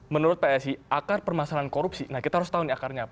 menurut psi akar permasalahan korupsi nah kita harus tahu nih akarnya apa